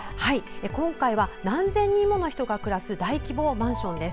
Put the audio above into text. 今回は何千人もの人が暮らす大規模マンションです。